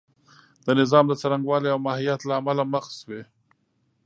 د نظام د څرنګوالي او ماهیت له امله مخ شوې.